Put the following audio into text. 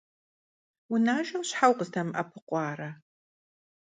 Vunajjeu şhe vukhızdemı'epıkhuare?